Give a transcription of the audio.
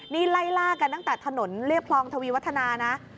นี่ไล่ล่ากันตั้งแต่ถนนเรียบคลองทวีวัฒนานะ